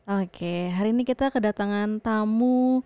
oke hari ini kita kedatangan tamu